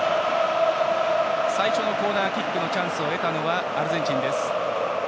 最初のコーナーキックのチャンスを得たのはアルゼンチンです。